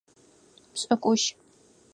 Пшӏыкӏущы.